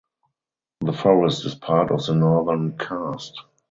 The forest is part of the Northern Karst.